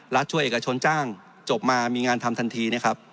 รัฐช่วยเอกชนจ้างจบมามีงานทำทันที